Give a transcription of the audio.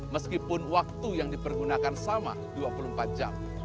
meskipun waktu yang dipergunakan sama dua puluh empat jam